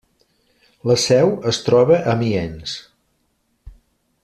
La seu es troba a Amiens.